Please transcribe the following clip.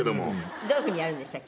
どういうふうにやるんでしたっけ？